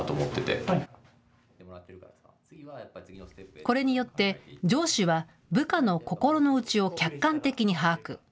これによって、上司は部下の心の内を客観的に把握。